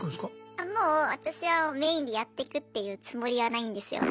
あもう私はメインでやっていくっていうつもりはないんですよ。